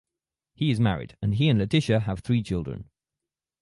He is married and he and Leticia have three children.